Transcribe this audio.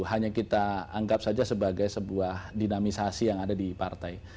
hanya kita anggap saja sebagai sebuah dinamisasi yang ada di partai